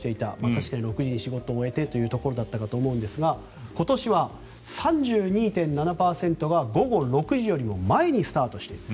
確かに６時に仕事を終えてというところだったと思いますが今年は３２．７％が午後６時よりも前にスタートしている。